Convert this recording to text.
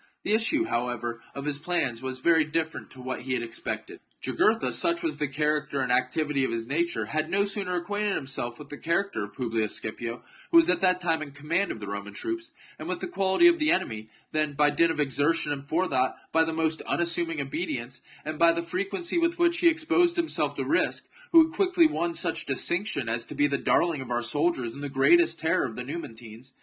The issue, however, of his plans was very different to what he had expected. Jugurtha, such was the energy and activity of his nature, had no sooner acquainted him self with the character of Publius Scipio, who was at that time in command of the Roman troops, and with the quality of the enemy, than, by dint of exer 12S THE JUGURTHINE WAR. CHAP, tion and forethought, by the most unassuming obedi ence, and by the frequency with which he exposed himself to risk, he had quickly won such distinction as to be the darling of our soldiers and the greatest terror of the Numantines.